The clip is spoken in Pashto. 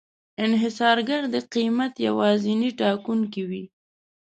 انحصارګر د قیمت یوازینی ټاکونکی وي.